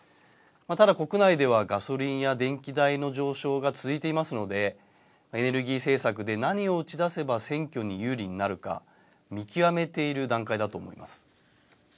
ただ国内ではガソリンや電気代の上昇が続いていますのでエネルギー政策で何を打ち出せば選挙に有利になるか見極めている段階だと思います。